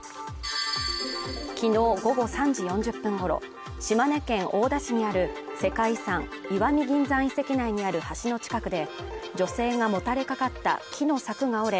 きのう午後３時４０分ごろ、島根県大田市にある世界遺産石見銀山遺跡内にある橋の近くで女性がもたれかかった木の柵が折れ